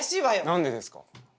何でですか？